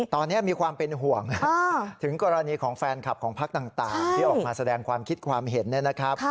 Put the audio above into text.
ตอนนี้มีความเป็นห่วงถึงกรณีของแฟนคลับของพักต่างที่ออกมาแสดงความคิดความเห็นนะครับ